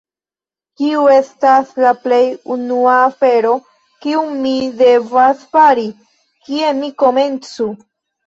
Kiu estas la plej unua afero, kiun mi devas fari? Kie mi komencu?